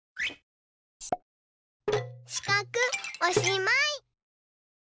しかくおしまい。